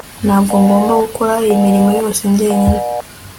ntabwo ngomba gukora iyi mirimo yose njyenyine